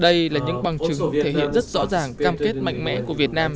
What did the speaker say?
đây là những bằng chứng thể hiện rất rõ ràng cam kết mạnh mẽ của việt nam